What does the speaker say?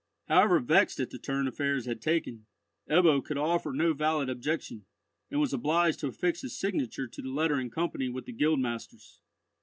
However vexed at the turn affairs had taken, Ebbo could offer no valid objection, and was obliged to affix his signature to the letter in company with the guildmasters.